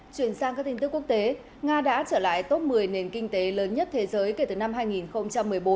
chuyển sang các tin tức quốc tế nga đã trở lại top một mươi nền kinh tế lớn nhất thế giới kể từ năm hai nghìn một mươi bốn